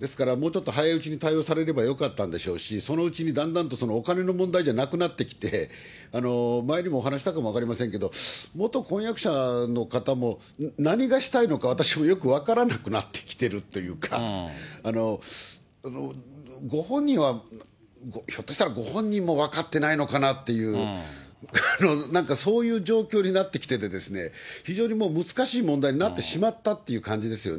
ですから、もうちょっと早いうちに対応されればよかったんでしょうけれども、そのうちにだんだんとそのお金の問題じゃなくなってきて、前にもお話したかもしれませんけれども、元婚約者の方も何がしたいのか、私もよく分からなくなってきてるというか、ご本人はひょっとしたら、ご本人も分かってないのかなっていう、なんか、そういう状況になってきててですね、非常にもう難しい問題になってしまったっていう感じですよね。